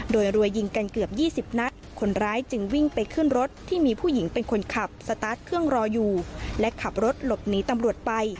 โดยรัวยิงกันเกือบ๒๐นัดคนร้ายจึงวิ่งไปขึ้นรถที่มีผู้หญิงเป็นคนขับสตาร์ทเครื่องรออยู่และขับรถหลบหนีตำรวจไป